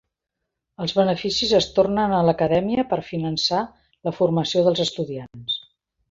Els beneficis es tornen a l'Acadèmia per finançar la formació dels estudiants.